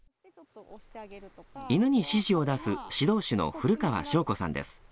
犬に指示を出す指導手の古川祥子さんです。